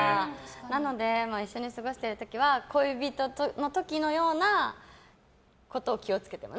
なので一緒に過ごしている時は恋人のようなことを気をつけてます。